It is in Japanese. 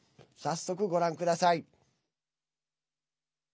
早速ご覧ください。